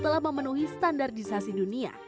telah memenuhi standar disasi dunia